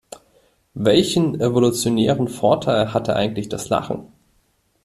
Welchen evolutionären Vorteil hatte eigentlich das Lachen?